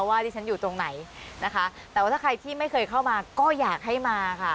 ว่าดิฉันอยู่ตรงไหนนะคะแต่ว่าถ้าใครที่ไม่เคยเข้ามาก็อยากให้มาค่ะ